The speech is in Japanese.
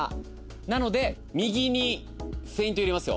なので右にフェイント入れますよ。